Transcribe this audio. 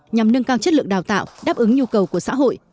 nhằm nâng cao chất lượng đào tạo đáp ứng nhu cầu của xã hội